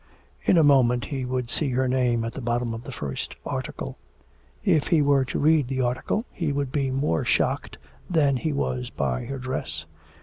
In a moment he would see her name at the bottom of the first article. If he were to read the article, he would be more shocked than he was by her dress.